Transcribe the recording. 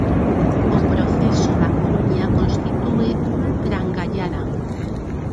O proceso da Coruña constitúe unha trangallada.